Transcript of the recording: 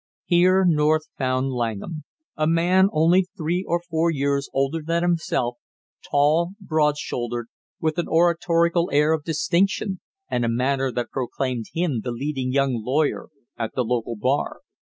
Here North found Langham a man only three or four years older than himself, tall, broad shouldered, with an oratorical air of distinction and a manner that proclaimed him the leading young lawyer at the local bar.